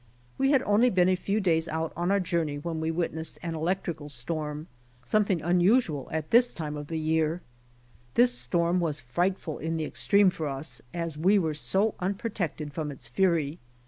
We had only been a few days out on our journey when we witnessed an electrical storm, something unusual at this time of the year. This stoinn was frightful in the extreme for us as we<were so unpro tected from its fury.